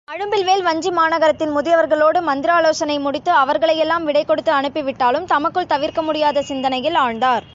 அழும்பில்வேள் வஞ்சிமாநகரத்தின் முதியவர்களோடு மந்திராலோசனை முடித்து அவர்களை எல்லாம் விடைகொடுத்து அனுப்பி விட்டாலும் தமக்குள் தவிர்க்கமுடியாத சிந்தனையில் ஆழ்ந்தார்.